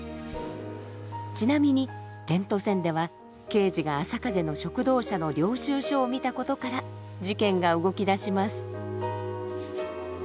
ちなみに「点と線」では刑事があさかぜの食堂車の領収書を見たことから事件が動きだします。